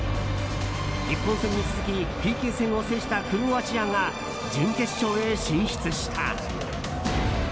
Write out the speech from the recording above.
日本戦に続きＰＫ戦を制したクロアチアが準決勝へ進出した。